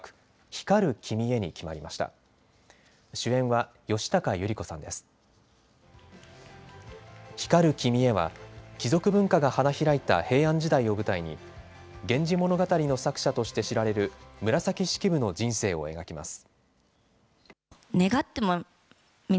光る君へは貴族文化が花開いた平安時代を舞台に源氏物語の作者として知られる紫式部の人生を描きます。